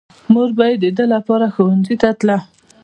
مور به يې د ده لپاره ښوونځي ته تله.